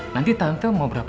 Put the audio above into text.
nanti tante mau berbicara